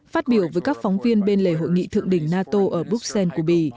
phát biểu với các phóng viên bên lề hội nghị thượng đỉnh nato ở bruxelles cuba